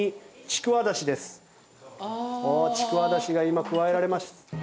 ちくわダシが今加えられました。